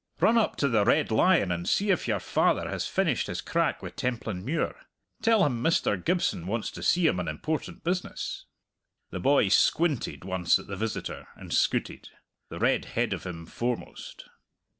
"Run up to the Red Lion, and see if your father has finished his crack wi' Templandmuir. Tell him Mr. Gibson wants to see him on important business." The boy squinted once at the visitor, and scooted, the red head of him foremost.